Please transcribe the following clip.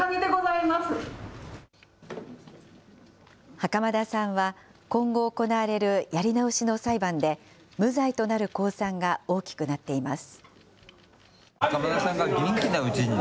袴田さんは、今後行われるやり直しの裁判で、無罪となる公算が大きくなっています。